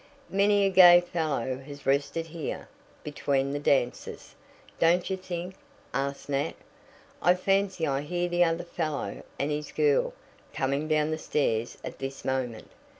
"Many a gay fellow has rested here, between the dances, don't you think?" asked Nat. "I fancy I hear the other fellow and his girl coming down the stairs at this moment."